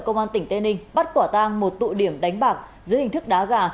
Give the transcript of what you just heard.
công an tỉnh tên ninh bắt quả tăng một tụ điểm đánh bạc dưới hình thức đá gà